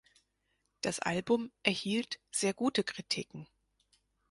Das Album erhielt sehr gute Kritiken.